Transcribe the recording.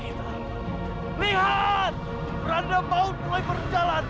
siapapun yang sudah memberikan seserahan